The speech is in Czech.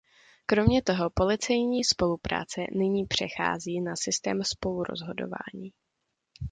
Kromě toho policejní spolupráce nyní přechází na systém spolurozhodování.